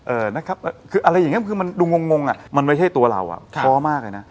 นะครับคืออะไรอย่างเงี้คือมันดูงงอ่ะมันไม่ใช่ตัวเราอ่ะท้อมากเลยนะ